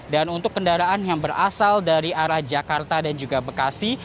dan untuk kendaraan yang berasal dari arah jakarta dan juga bekasi